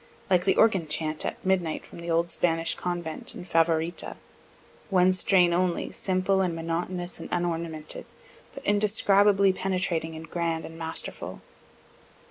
(Like the organ chant at midnight from the old Spanish convent, in "Favorita" one strain only, simple and monotonous and unornamented but indescribably penetrating and grand and masterful.)